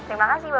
terima kasih boy